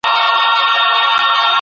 روښانه فکر ژوند نه خرابوي.